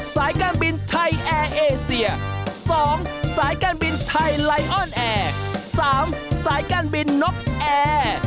สายการบินไทยแอร์เอเซีย๒สายการบินไทยไลออนแอร์๓สายการบินนกแอร์